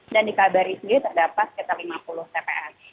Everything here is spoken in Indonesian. dan dikabar ini terdapat sekitar lima puluh tps